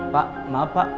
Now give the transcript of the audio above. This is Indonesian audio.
pak maaf pak